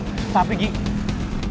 lu udah ke nothing now